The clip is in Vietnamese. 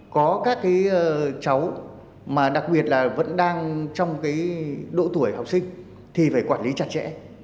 có các cái cháu mà đặc biệt là vẫn đang trong cái độ tuổi học sinh thì phải quản lý chặt chẽ